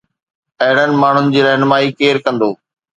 اهڙن ماڻهن جي رهنمائي ڪير ڪندو؟